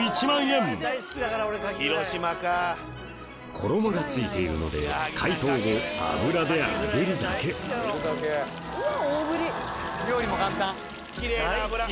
衣がついているので解凍後油で揚げるだけうん！